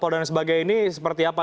dan sebagainya seperti apa